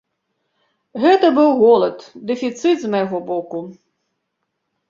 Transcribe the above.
Гэта быў голад, дэфіцыт з майго боку.